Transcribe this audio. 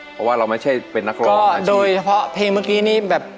เพราะว่าเราไม่ใช่เป็นนักร้องโดยเฉพาะเพลงเมื่อกี้นี้แบบ